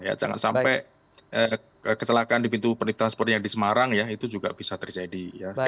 ya jangan sampai kecelakaan di pintu pernikahan seperti yang di semarang ya itu juga bisa terjadi ya